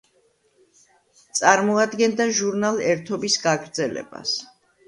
წარმოადგენდა ჟურნალ „ერთობის“ გაგრძელებას.